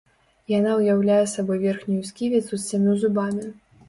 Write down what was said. Яна ўяўляе сабой верхнюю сківіцу з сямю зубамі.